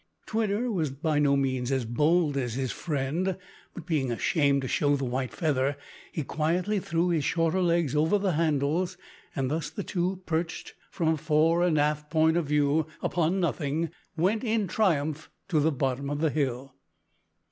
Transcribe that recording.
Twitter was by no means as bold as his friend, but, being ashamed to show the white feather, he quietly threw his shorter legs over the handles, and thus the two, perched from a fore and aft point of view upon nothing, went in triumph to the bottom of the hill.